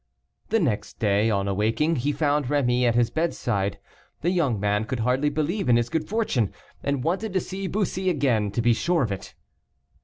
The next day, on awaking, he found Rémy at his bedside. The young man could hardly believe in his good fortune, and wanted to see Bussy again to be sure of it.